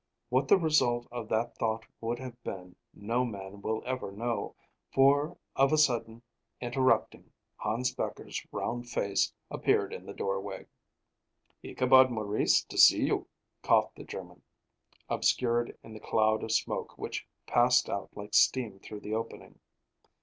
What the result of that thought would have been no man will ever know, for of a sudden, interrupting, Hans Becher's round face appeared in the doorway. "Ichabod Maurice to see you," coughed the German, obscured in the cloud of smoke which passed out like steam through the opening.